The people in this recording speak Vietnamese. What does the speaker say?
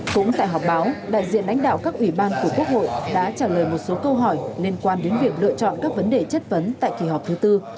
cũng tại họp báo đại diện đánh đạo các ủy ban của quốc hội đã trả lời một số câu hỏi liên quan đến việc lựa chọn các vấn đề chất vấn tại kỳ họp thứ tư